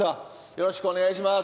よろしくお願いします。